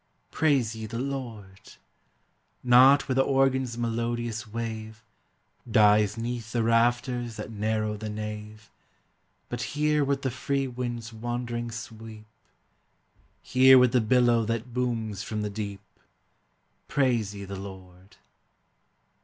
Praise ye the Lord! Not where the organ's melodious wave Dies 'neath the rafters that narrow the nave, But here with the free wind's wandering sweep, Here with the billow that booms from the deep, Praise ye the Lord!